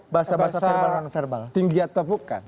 bukan segenar bahasa tinggi atau bukan